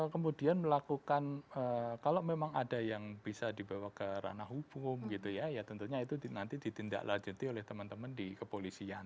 kemudian melakukan kalau memang ada yang bisa dibawa ke ranah hukum gitu ya ya tentunya itu nanti ditindaklanjuti oleh teman teman di kepolisian